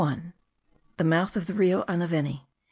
20. THE MOUTH OF THE RIO ANAVENI.